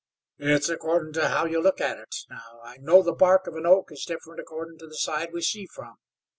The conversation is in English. "It's accordin' to how you look at it. Now I know the bark of an oak is different accordin' to the side we see from.